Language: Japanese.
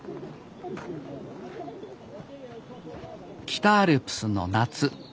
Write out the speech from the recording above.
北アルプスの夏。